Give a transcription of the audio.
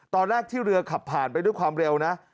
ตอนแรกที่เรือขับผ่านไปด้วยความเร็วนะ